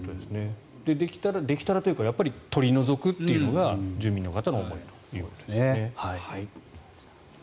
できたらできたらというか取り除くというのが住民の方の思いということですね。